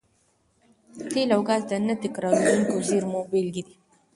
تېل او ګاز د نه تکرارېدونکو زېرمونو بېلګې دي.